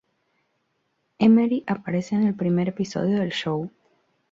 Emery aparece en el primer episodio del show.